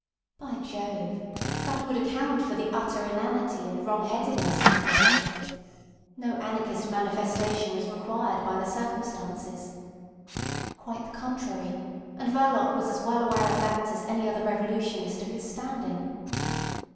By Jove! that would account for the utter inanity and wrong headedness of the thing. No anarchist manifestation was required by the circumstances. Quite the contrary; and Verloc was as well aware of that as any other revolutionist of his standing.